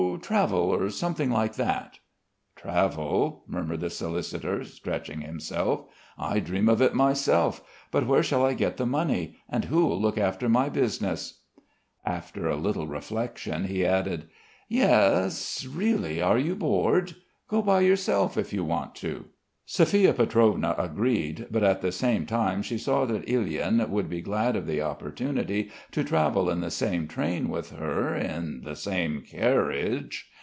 Travel or something like that." "Travel," murmured the solicitor, stretching himself. "I dream of it myself, but where shall I get the money, and who'll look after my business." After a little reflection he added: "Yes, really you are bored. Go by yourself if you want to." Sophia Pietrovna agreed; but at the same time she saw that Ilyin would be glad of the opportunity to travel in the same train with her, in the same carriage....